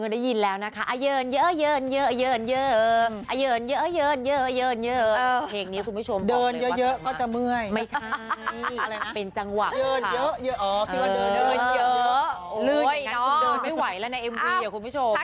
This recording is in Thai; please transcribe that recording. ด้วยคุณค่ะนะครับ